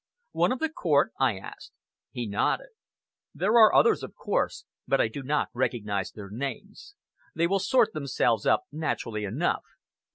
"One of the court?" I asked, He nodded. "There are others, of course, but I do not recognize their names. They will sort themselves up naturally enough.